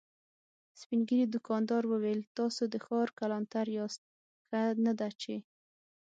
سپين ږيری دوکاندار وويل: تاسو د ښار کلانتر ياست، ښه نه ده چې…